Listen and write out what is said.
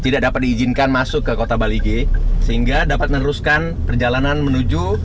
tidak dapat diizinkan masuk ke kota balige sehingga dapat meneruskan perjalanan menuju